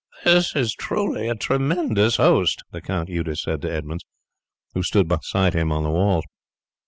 "This is truly a tremendous host!" the Count Eudes said to Edmund, who stood beside him on the walls.